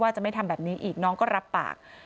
จะไม่ทำแบบนี้อีกน้องก็รับปาก